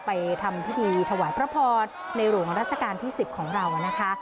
ไปทำพิธีถวายพระพรในหลวงรัชกาลที่๑๐ของเรานะคะ